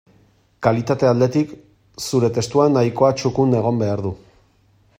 Kalitate aldetik, zure testua nahikoa txukun egon behar du.